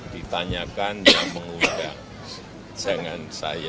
ditanyakan dan mengundang dengan saya